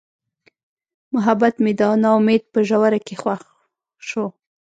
محبت مې د نا امیدۍ په ژوره کې ښخ شو.